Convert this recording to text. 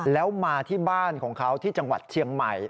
แล้วมาที่บ้านของเขาที่จังหวัดเชียงใหม่